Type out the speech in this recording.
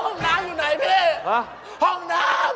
ห้องน้ำอยู่ไหนพี่ห้องน้ำ